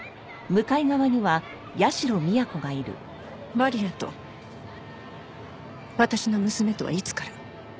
マリアと私の娘とはいつから？